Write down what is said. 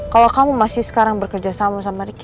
kalau kamu masih sekarang bekerja sama sama riki